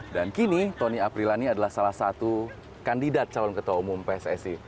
dan kini tony aprilani adalah salah satu kandidat calon ketua umum pssi